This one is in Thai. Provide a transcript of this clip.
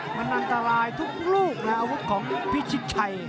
เออมันอันตรายทุกลูกและอาวุธของพี่ชิคชัย